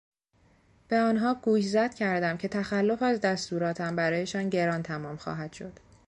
به آنها گوشزد کردم که تخلف از دستوراتم برایشان گران تمام خواهد شد.